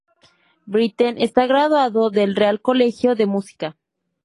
Britten está graduado del Real Colegio de Música.